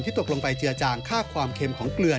ตกลงไปเจือจางค่าความเค็มของเกลือ